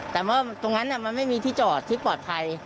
แต่เมื่อตรงนั้นมันไม่มีที่จอดที่ปลอดภัย